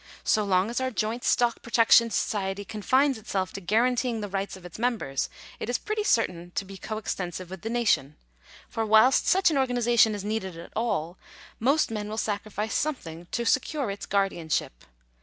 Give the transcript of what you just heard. So long as our joint stock protection society confines itself to guaranteeing the rights of its members, it is pretty certain to be co extensive with the nation ; for whilst such an organization is needed at all, most men will sacrifice something to secure its guardianship.